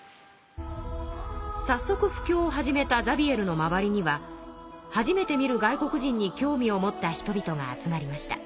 さっそく布教を始めたザビエルの周りには初めて見る外国人に興味を持った人々が集まりました。